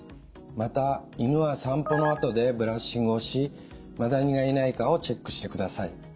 また犬は散歩のあとでブラッシングをしマダニがいないかをチェックしてください。